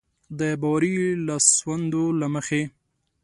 د باوري لاسوندو له مخې.